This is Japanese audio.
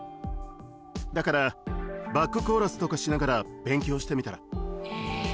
だからバックコーラスとかしながら勉強してみたら？